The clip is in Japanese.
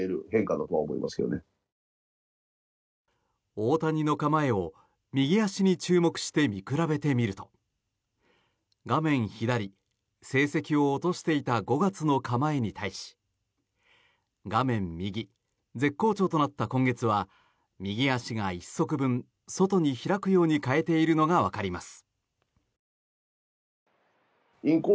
大谷の構えを右足に注目して見比べてみると画面左、成績を落としていた５月の構えに対し画面右、絶好調となった今月は右足が１足分外に開くように変えているのがわかります。